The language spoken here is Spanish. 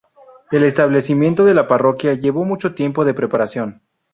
El establecimiento de la parroquia llevó mucho tiempo de preparación.